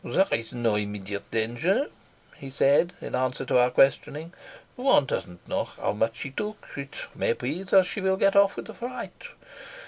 "There is no immediate danger," he said, in answer to our questioning. "One doesn't know how much she took. It may be that she will get off with a fright.